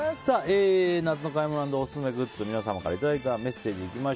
夏の買い物＆オススメグッズ皆様からいただいたメッセージです。